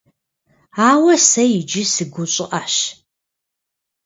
Ауэ сэ иджы сыгущӀыӀэщ.